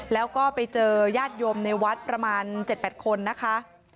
แล้วก็ไปเจอญาติโยมในวัดประมาณ๗๘คนนะคะ